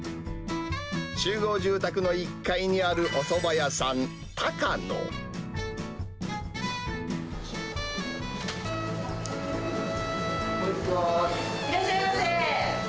集合住宅の１階にあるおそば屋さん、いらっしゃいませ。